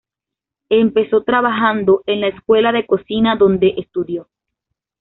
Empezó trabajando en la escuela de cocina donde estudió.